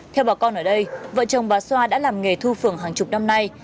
theo bà con ở đây vợ chồng bà xoa đã làm nghề thu phưởng hàng chục năm nay